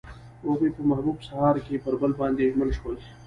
هغوی په محبوب سهار کې پر بل باندې ژمن شول.